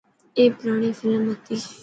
اي پراڻي فلم هتي.